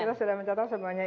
kita sudah mencatat semuanya